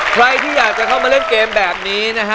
ใครที่อยากจะเข้ามาเล่นเกมแบบนี้นะฮะ